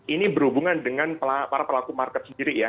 ini berhubungan dengan para pelaku market sendiri ya